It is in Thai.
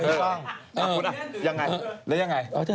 คุณยังไงแล้วยังไง